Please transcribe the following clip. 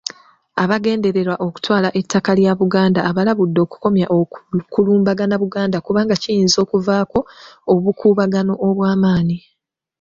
Abagendererwa okutwala ettaka lya Buganda abalabudde okukomya okulumbagana Buganda kuba kiyinza okuvaako obuukubagano obw'amanyi.